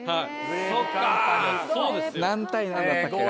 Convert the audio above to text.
そっか何対何だったっけな？